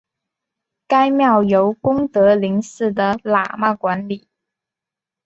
该庙由功德林寺的喇嘛管理。